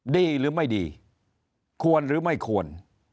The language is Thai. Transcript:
ดีหรือไม่ดีควรหรือไม่ควร